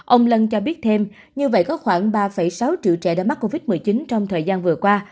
ông lân cho biết thêm như vậy có khoảng ba sáu triệu trẻ đã mắc covid một mươi chín trong thời gian vừa qua